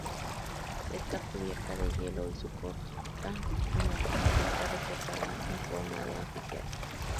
Está cubierta de hielo y su costa norte está recortada en forma de anfiteatro.